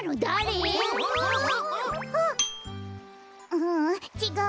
ううんちがう。